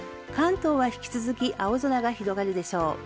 関東は、引き続き青空が広がるでしょう。